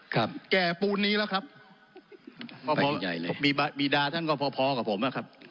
ครับแก่ปูนนี้ล่ะครับมีบีดาท่านก็พอกับผมล่ะครับ